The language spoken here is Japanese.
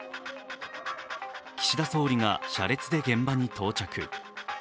岸田総理が車列で現場に到着。